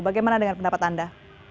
bagaimana dengan pendapat anda